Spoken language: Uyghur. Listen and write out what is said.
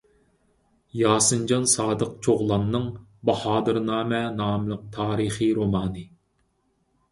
ياسىنجان سادىق چوغلاننىڭ «باھادىرنامە» ناملىق تارىخىي رومانى